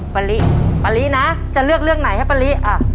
ปะลิปะลินะจะเลือกเรื่องไหนให้ปะลิอ่ะ